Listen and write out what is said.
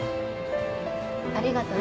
ありがとね